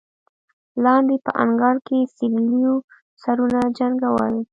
لاندې په انګړ کې سېرليو سرونه جنګول.